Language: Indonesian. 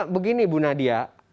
begini ibu nadia